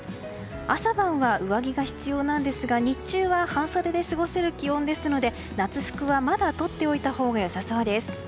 朝晩は上着が必要なんですが日中は半袖で過ごせる気温ですので夏服はまだとっておいたほうがよさそうです。